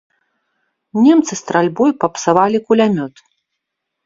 Немцы стральбой папсавалі кулямёт.